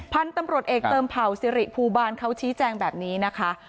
พันธุ์ตำรวจเอกเติมเผ่าสิริภูบาลเขาชี้แจงแบบนี้นะคะ